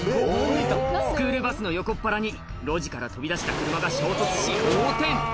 スクールバスの横っ腹に路地から飛び出した車が衝突し横転